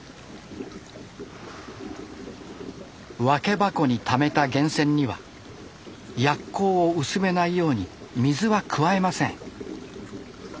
分け箱にためた源泉には薬効を薄めないように水は加えません。